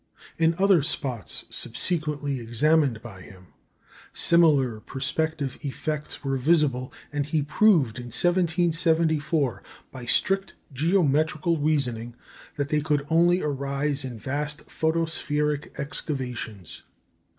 In other spots subsequently examined by him, similar perspective effects were visible, and he proved in 1774, by strict geometrical reasoning, that they could only arise in vast photospheric excavations.